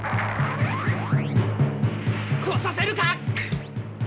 来させるか！